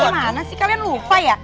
gimana sih kalian lupa ya